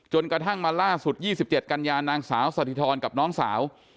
จนกระทั่งมาล่าสุดยี่สิบเจ็ดกันยานางสาวสติทรกำลังสาว